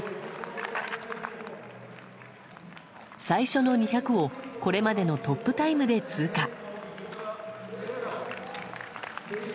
最初の２００をこれまでのトップタイムで通過。